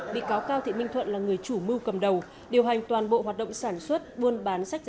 bị cáo cao thị minh thuận là người chủ mưu cầm đầu điều hành toàn bộ hoạt động sản xuất